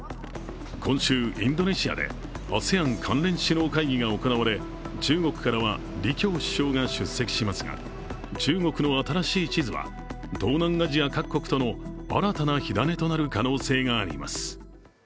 今週、インドネシアでＡＳＥＡＮ関連首脳会議が行われ中国からは李強首相が出席しますが、中国の新しい地図は、東南アジア各国との新たな火種となる可能性があります。